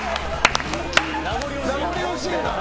名残惜しいんだ。